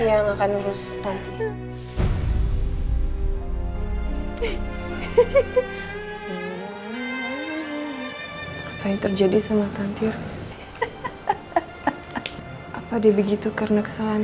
aku gak pantas untuk disayang sama kamu